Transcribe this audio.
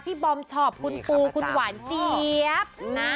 บอมชอบคุณปูคุณหวานเจี๊ยบนะ